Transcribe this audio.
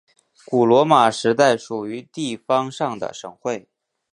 古罗马时代属于地方上的省会。